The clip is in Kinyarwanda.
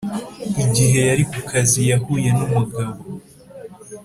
Igihe yari ku kazi yahuye n umugabo